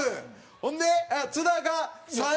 ほんで津田が３０７０。